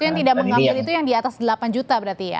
yang tidak mengambil itu yang di atas delapan juta berarti ya